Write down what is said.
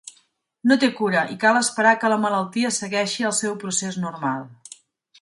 No té cura i cal esperar que la malaltia segueixi el seu procés normal.